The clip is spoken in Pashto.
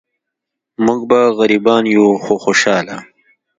مونږ به غریبان یو خو خوشحاله.